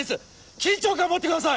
緊張感を持ってください！